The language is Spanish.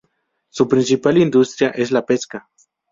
Su principal industria es la pesca.